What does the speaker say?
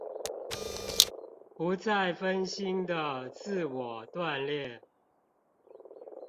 不再分心的自我鍛鍊